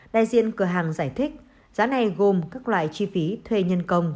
đại diện cửa hàng giải thích giá này gồm các loại chi phí thuê nhân công